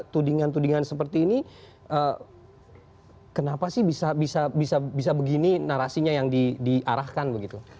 tudingan tudingan seperti ini kenapa sih bisa begini narasinya yang diarahkan begitu